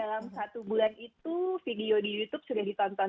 dalam satu bulan itu video di youtube sudah ditonton